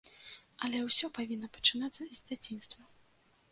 Але ўсё павінна пачынацца з дзяцінства.